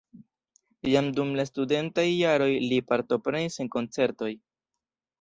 Jam dum la studentaj jaroj li partoprenis en koncertoj.